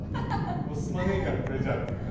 「もう進まねえからこれじゃあ」っていう感じ。